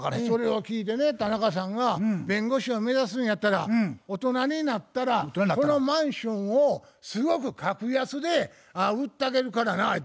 それを聞いてね田中さんが「弁護士を目指すんやったら大人になったらこのマンションをすごく格安で売ったげるからな」